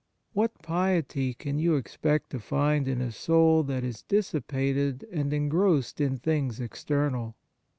What piety can you expect to find in a soul that is dissipated and en grossed in things external